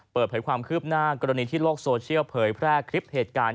เปิดเผยความคืบหน้ากรณีที่โลกโซเชียลเผยแพร่คลิปเหตุการณ์